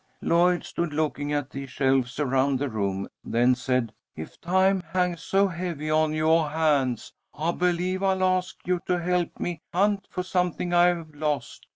Lloyd stood looking at the shelves around the room, then said: "If time hangs so heavy on yoah hands, I believe I'll ask you to help me hunt for something I have lost.